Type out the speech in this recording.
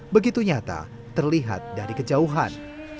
begitu nyata terlihat dari kejauhan